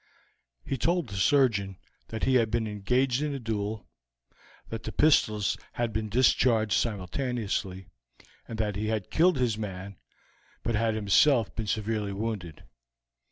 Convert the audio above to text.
He told the surgeon that he had been engaged in a duel, that the pistols had been discharged simultaneously, and that he had killed his man, but had himself been severely wounded.